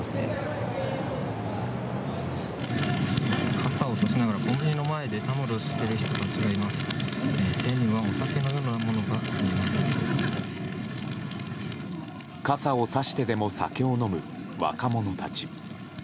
傘をさしてでも酒を飲む若者たち。